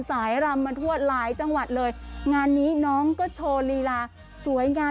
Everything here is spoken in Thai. รำมาทั่วหลายจังหวัดเลยงานนี้น้องก็โชว์ลีลาสวยงาม